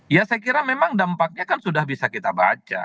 ya saya kira memang dampaknya kan sudah bisa kita baca